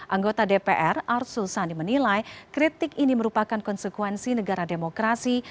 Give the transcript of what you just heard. anggota dpr arsul sani menilai kritik ini merupakan konsekuensi negara demokrasi